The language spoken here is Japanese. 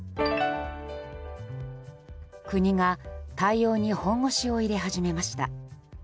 国が対応に本腰を入れ始めました。